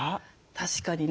確かにね。